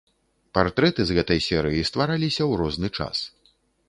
Партрэты з гэтай серыі ствараліся ў розны час.